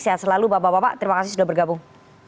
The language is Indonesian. sehat selalu bapak bapak terima kasih sudah bergabung